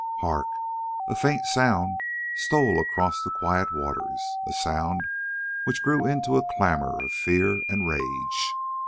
Hark! a faint sound stole across the quiet waters, a sound which grew into a clamour of fear and rage.